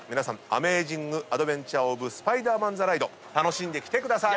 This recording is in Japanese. アメージング・アドベンチャー・オブ・スパイダーマン・ザ・ライド楽しんできてください。